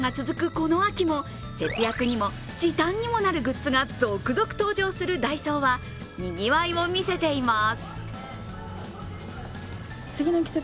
この秋も、節約にも時短にもなるグッズが続々登場するダイソーはにぎわいを見せています。